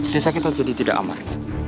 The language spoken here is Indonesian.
sisa kita jadi tidak aman